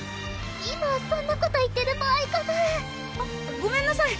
今そんなこと言ってる場合かなあっごめんなさい